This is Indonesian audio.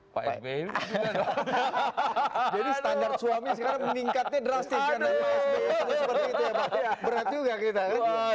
pak sbe ini jadi standar suami sekarang meningkatnya drastis kan pak sbe